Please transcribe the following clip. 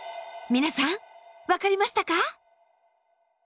皆さん分かりましたか？